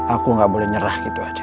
aku gak boleh nyerah gitu aja